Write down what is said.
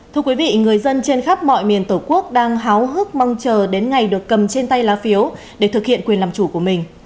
thưa quý vị người dân trên khắp mọi miền tổ quốc đang háo hức mong chờ đến ngày được cầm trên tay lá phiếu để thực hiện quyền làm chủ của mình